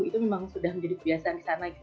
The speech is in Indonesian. itu memang sudah menjadi kebiasaan di sana